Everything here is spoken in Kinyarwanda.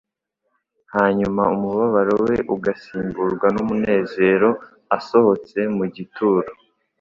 Hanyuma umubabaro we ugasimburwa n'umunezero asohotse mu gituro.